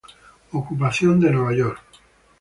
Ocupación de Nueva York.